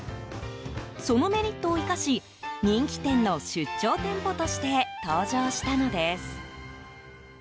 そのメリットを生かし人気店の出張店舗として登場したのです。